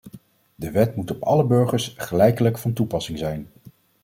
De wet moet op alle burgers gelijkelijk van toepassing zijn.